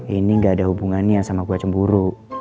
ini gak ada hubungannya sama gua cemburu